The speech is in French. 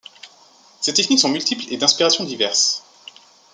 Ces techniques sont multiples et d'inspirations diverses.